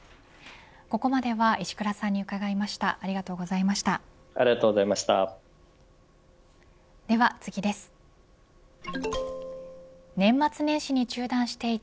ここまでは石倉さんに伺いました。